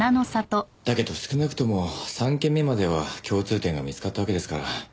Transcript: だけど少なくとも３件目までは共通点が見つかったわけですから。